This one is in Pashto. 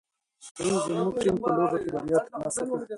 پرون زموږ ټیم په لوبه کې بریا ترلاسه کړه.